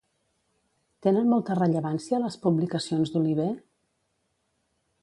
Tenen molta rellevància les publicacions d'Oliver?